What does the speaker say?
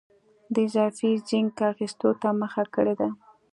د اضافي زېنک اخیستو ته مخه کړې ده.